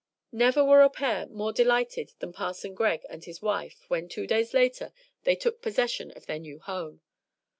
Never were a pair more delighted than Parson Greg and his wife when two days later they took possession of their new home.